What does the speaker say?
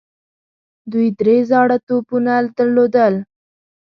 دوی درې زاړه توپونه درلودل.